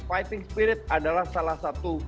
fighting spirit adalah salah satu modal kita